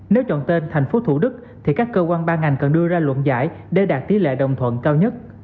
nếu chọn tên thành phố thủ đức thì các cơ quan ban ngành cần đưa ra luận giải để đạt tỷ lệ đồng thuận cao nhất